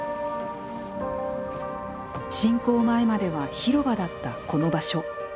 侵攻前までは広場だったこの場所。